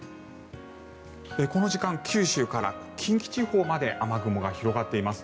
この時間、九州から近畿地方まで雨雲が広がっています。